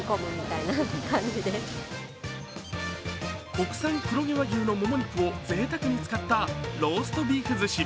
国産黒毛和牛のもも肉をぜいたくに使ったローストビーフ寿司。